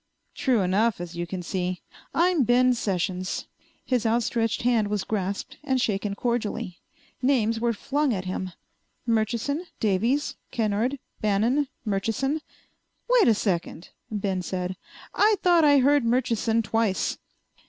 "True enough, as you can see. I'm Ben Sessions." His outstretched hand was grasped and shaken cordially. Names were flung at him. Murchison, Davies, Kennard, Bannon, Murchison. "Wait a second," Ben said. "I thought I heard Murchison twice."